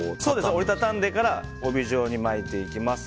折り畳んでから帯状に巻いていきます。